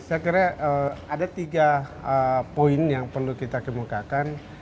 saya kira ada tiga poin yang perlu kita kemukakan